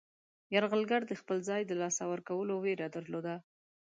یرغلګر د خپل ځای د له لاسه ورکولو ویره درلوده.